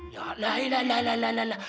ya lah ya lah ya lah ya lah ya lah